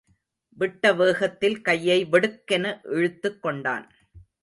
விட்டவேகத்தில் கையை வெடுக்கென இழுத்துக் கொண்டான்.